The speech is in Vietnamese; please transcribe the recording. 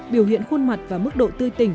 biểu hiện khuôn mặt và mức độ tươi tỉnh